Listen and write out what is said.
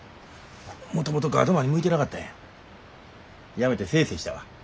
もともとガードマンに向いてなかったんや辞めてせえせえしたわ。